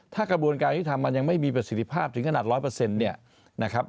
ถ้ากระบวนการที่ทำมันยังไม่มีประสิทธิภาพถึงขนาด๑๐๐